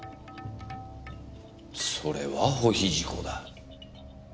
それは保秘事項だ。